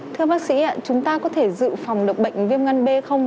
thưa bác sĩ ạ chúng ta có thể dự phòng được bệnh viêm gan b không